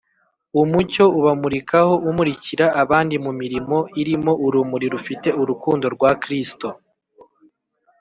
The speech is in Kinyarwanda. . Umucyo ubamurikaho umurikira abandi mu mirimo irimo urumuri rufite urukundo rwa Kristo.